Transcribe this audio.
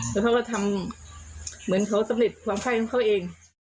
แล้วเขาก็ทำเหมือนเขาสำเร็จความไข้ของเขาเอง